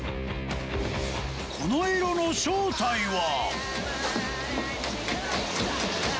この色の正体は